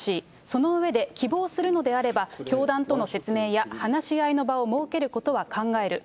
その上で希望するのであれば、教団との説明や話し合いの場を設けることは考える。